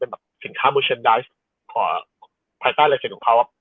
เป็นสินค้ามิวชันใดซ์ผ่านใต้ลายเซ็นส์ของเขา